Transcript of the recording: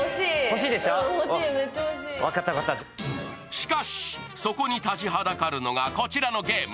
しかし、そこに立ちはだかるのがこちらのゲーム。